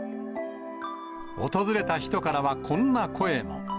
訪れた人からはこんな声も。